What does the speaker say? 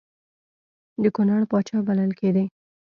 د کنړ پاچا بلل کېدی.